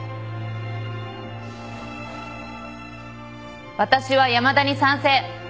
私は山田に賛成。